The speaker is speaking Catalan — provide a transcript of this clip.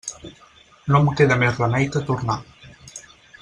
No em queda més remei que tornar.